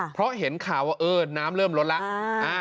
เพราะเห็นข่าวว่าเออน้ำเริ่มลดแล้ว